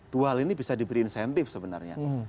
dua hal ini bisa diberi insentif sebenarnya